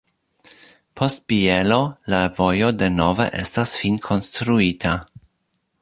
Post Bielo la vojo denove estas finkonstruita.